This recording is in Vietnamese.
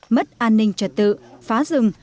mất an ninh trật tự phá rừng